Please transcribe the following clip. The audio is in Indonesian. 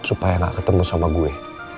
supaya gak ketemu sama gue